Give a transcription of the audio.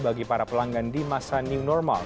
bagi para pelanggan di masa new normal